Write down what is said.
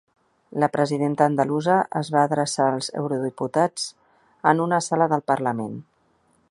La presidenta andalusa es va adreçar als eurodiputats en una sala del parlament.